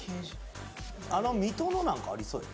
あの水戸のなんかありそうよ